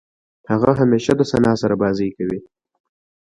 هغه همېشه د ثنا سره بازۍ کوي.